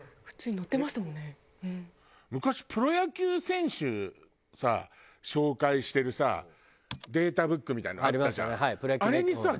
昔プロ野球選手さ紹介してるさデータブックみたいなのあったじゃん？